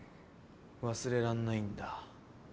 忘れらんないんだ？